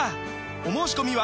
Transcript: お申込みは